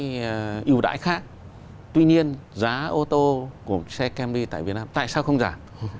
cái ưu đãi khác tuy nhiên giá ô tô của xe kempy tại việt nam tại sao không giảm